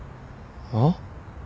あっ？